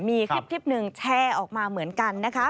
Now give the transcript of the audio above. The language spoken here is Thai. มีคลิปหนึ่งแชร์ออกมาเหมือนกันนะคะ